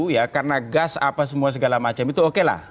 ya karena gas apa semua segala macam itu oke lah